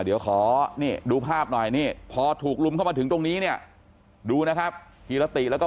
เดี๋ยวขอนี่ดูภาพหน่อยนี่พอถูกลุมเข้ามาถึงตรงนี้เนี่ยดูนะครับกีรติแล้วก็